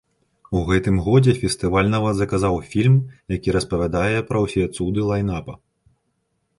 У гэтым годзе фестываль нават заказаў фільм, які распавядае пра ўсе цуды лайн-апа.